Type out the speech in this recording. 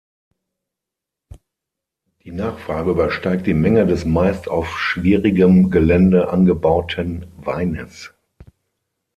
Die Nachfrage übersteigt die Menge des meist auf schwierigem Gelände angebauten Weines.